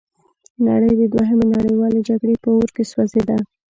نړۍ د دوهمې نړیوالې جګړې په اور کې سوځیده.